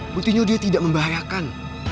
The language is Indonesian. berarti dia tidak membahayakan